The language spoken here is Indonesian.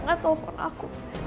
jangan telfon aku